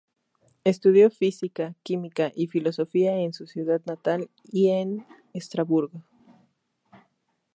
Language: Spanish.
Estudió física, química y filosofía en su ciudad natal y en Estrasburgo.